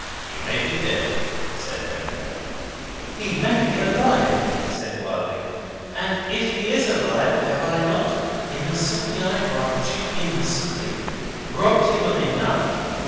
"He may be dead," said Vendale. "He may be alive," said Wilding. "And if he is alive, have I not innocently, I grant you innocently robbed him of enough?